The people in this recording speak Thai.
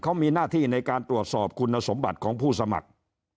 เขามีหน้าที่ในการตรวจสอบคุณสมบัติของผู้สมัคร